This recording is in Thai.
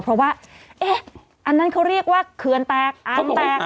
เพราะว่าอันนั้นเขาเรียกว่าเขื่อนแตกอ่างแตก